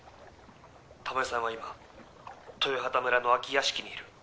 珠世さんは今豊畑村の空き屋敷にいる。